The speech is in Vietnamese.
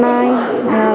qua gửi mail lên